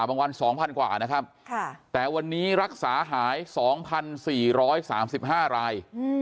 วัน๒๐๐กว่านะครับแต่วันนี้รักษาหาย๒๔๓๕ราย